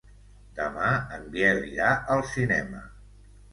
Demà en Biel irà al cinema.